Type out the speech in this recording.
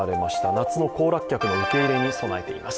夏の行楽客の受け入れに備えています。